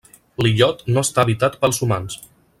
L'illot no està habitat pels humans.